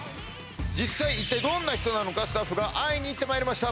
実際一体どんな人なのかスタッフが会いに行ってまいりました